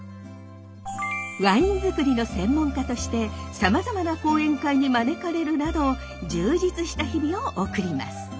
ワイン作りの専門家としてさまざまな講演会に招かれるなど充実した日々を送ります。